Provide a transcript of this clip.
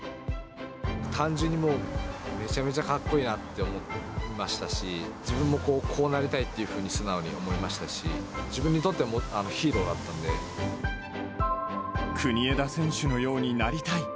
単純にもう、めちゃめちゃかっこいいなって思ってましたし、自分もこうなりたいっていうふうに素直に思いましたし、国枝選手のようになりたい。